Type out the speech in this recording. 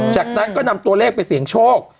จากนั้นก็นำตัวเลขไปเสี่ยงโชค